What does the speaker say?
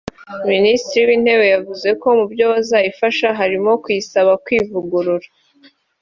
Minisitiri w’intebe yavuze ko mu byo bazayifasha harimo kuyisaba kwivugurura